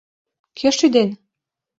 Кӧ шӱден?